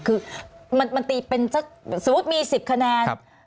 คือมันตีเป็นสักสมมุติมี๑๐คะแนน